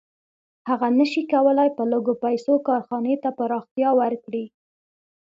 هغه نشي کولی په لږو پیسو کارخانې ته پراختیا ورکړي